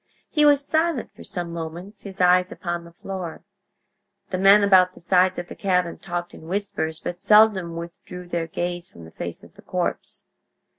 He was silent for some moments, his eyes upon the floor. The men about the sides of the cabin talked in whispers, but seldom withdrew their gaze from the face of the corpse.